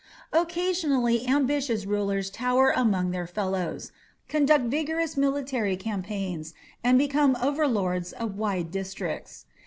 Occasionally ambitious rulers tower among their fellows, conduct vigorous military campaigns, and become overlords of wide districts.